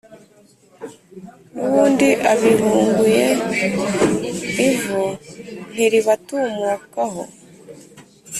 N'ubundi abihunguye ivu ntiribatumuka ho